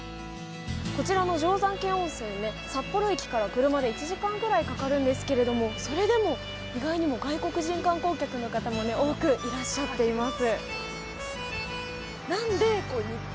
こちらの定山渓温泉札幌駅から車で１時間くらいかかるんですけど意外にも、外国人観光客の方も多くいらっしゃっています。